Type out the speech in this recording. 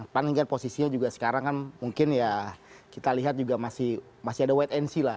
pan posisinya juga sekarang kan mungkin ya kita lihat juga masih ada white end sih lah